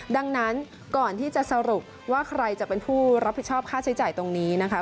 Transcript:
ดังนั้นก่อนที่จะสรุปว่าใครจะเป็นผู้รับผิดชอบค่าใช้จ่ายตรงนี้นะคะ